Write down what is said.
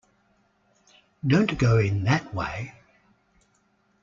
Don't go on in that way!